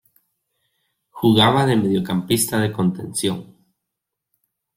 Jugaba de mediocampista de contención.